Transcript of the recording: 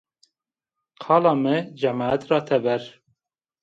Qala mi cemat ra teber